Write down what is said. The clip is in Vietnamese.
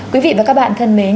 quý vị và các bạn thân mến